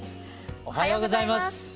おはようございます。